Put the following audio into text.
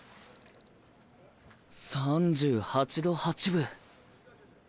３８度８分。